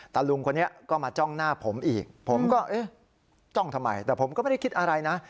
ลุงคนนี้ก็มาจ้องหน้าผมอีกผมก็เอ๊ะจ้องทำไมแต่ผมก็ไม่ได้คิดอะไรนะ